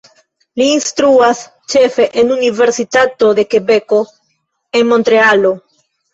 Li instruas ĉefe en Universitato de Kebeko en Montrealo.